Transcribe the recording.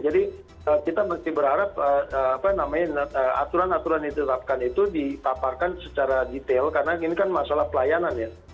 jadi kita berarti berharap apa namanya aturan aturan yang diterapkan itu ditaparkan secara detail karena ini kan masalah pelayanan ya